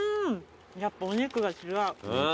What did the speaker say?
やっぱお肉が違う。